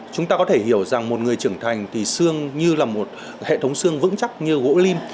chúng ta có thể hiểu rằng một người trưởng thành thì xương như là một hệ thống xương vững chắc như gỗ lim